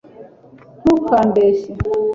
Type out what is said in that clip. ntukambeshye